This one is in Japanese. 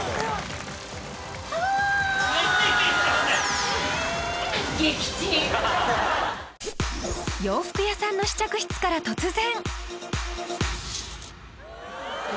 あっ洋服屋さんの試着室から突然！